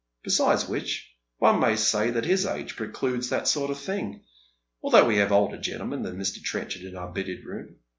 Besides which, one may say that Lis age precludes that sort of thing, although we have older gentlemen than Mr. Trenchard in our billiard room.